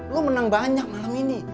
lo menang banyak malam ini